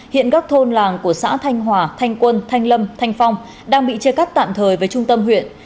hiện các thôn làng của xã thanh hòa thanh quân thanh lâm thanh phong đang bị chia cắt tạm thời với trung tâm huyện